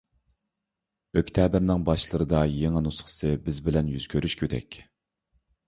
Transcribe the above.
ئۆكتەبىرنىڭ باشلىرىدا يېڭى نۇسخىسى بىز بىلەن يۈز كۆرۈشكۈدەك!